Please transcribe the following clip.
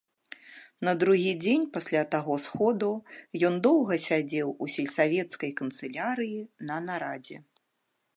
На другі дзень пасля таго сходу ён доўга сядзеў у сельсавецкай канцылярыі на нарадзе.